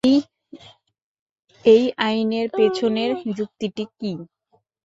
এই আইনের পেছনের যুক্তিটি কি?